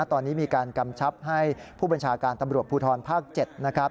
ตอนนี้มีการกำชับให้ผู้บัญชาการตำรวจภูทรภาค๗นะครับ